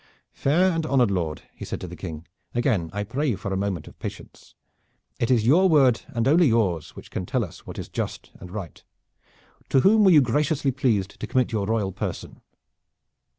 "Fair and honored lord," he said to the King, "again I pray you for a moment of patience. It is your word and only yours which can tell us what is just and right. To whom were you graciously pleased to commit your royal person?"